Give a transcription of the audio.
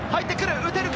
打てるか？